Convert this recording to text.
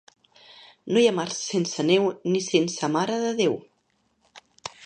No hi ha març sense neu ni sense Mare de Déu.